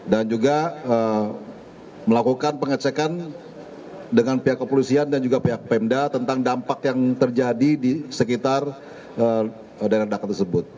dan juga melakukan pengecekan dengan pihak kepolisian dan juga pihak pemda tentang dampak yang terjadi di sekitar daerah daerah tersebut